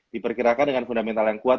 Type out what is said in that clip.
diperkirakan dengan fundamental yang kuat